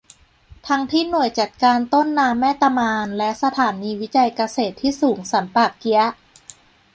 ทั้งที่หน่วยจัดการต้นน้ำแม่ตะมาน และสถานีวิจัยเกษตรที่สูงสันป่าเกี๊ยะ